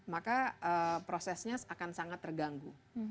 maka prosesnya akan sangat terganggu